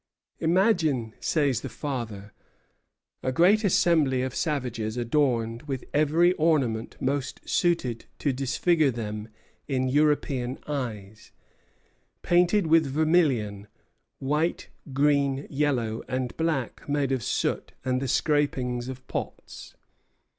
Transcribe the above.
"Imagine," says the father, "a great assembly of savages adorned with every ornament most suited to disfigure them in European eyes, painted with vermilion, white, green, yellow, and black made of soot and the scrapings of pots.